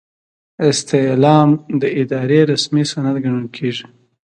استعلام د ادارې رسمي سند ګڼل کیږي.